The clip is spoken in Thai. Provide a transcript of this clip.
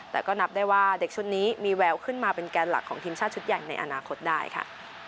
แต่ก็นับได้ว่าเด็กชุดนี้มีแววขึ้นมาเป็นแกนหลักของทีมชาติชุดใหญ่ในอนาคตได้ค่ะ